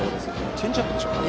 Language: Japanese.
チェンジアップでしたかね。